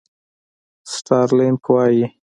سټارلېنک وایي.